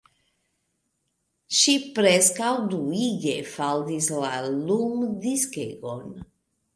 Ŝi preskaŭ duige faldis la lumdiskegon!